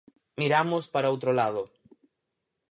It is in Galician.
Miramos para outro lado.